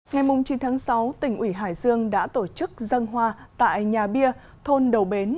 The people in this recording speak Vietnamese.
ngày chín tháng sáu tỉnh ủy hải dương đã tổ chức dân hoa tại nhà bia thôn đầu bến